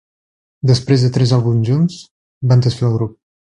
Després de tres àlbums junts van desfer el grup.